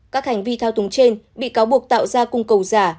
các hành vi thao túng trên bị cáo buộc tạo ra cung cầu giả